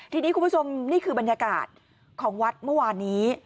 ทีนี้คุณผู้ชมนี่คือบรรยากาศของวัดเมื่อวานนี้